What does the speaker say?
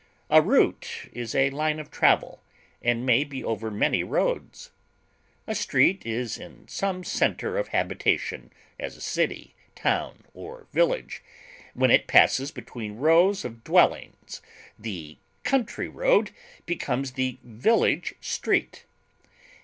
A route is a line of travel, and may be over many roads. A street is in some center of habitation, as a city, town, or village; when it passes between rows of dwellings the country road becomes the village street.